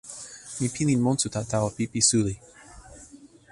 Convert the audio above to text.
mi pilin monsuta tawa pipi suli.